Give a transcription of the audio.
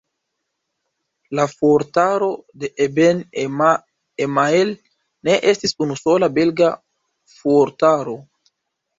La fuortaro de Eben-Emael ne estis unusola belga fuortaro.